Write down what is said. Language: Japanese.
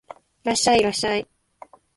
いらっしゃい、いらっしゃい